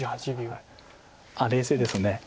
あっ冷静です。